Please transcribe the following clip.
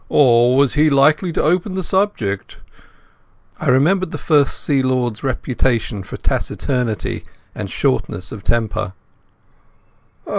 Or was he likely to open the subject?" I remembered the First Sea Lord's reputation for taciturnity and shortness of temper.